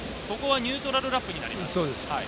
ニュートラルラップになります。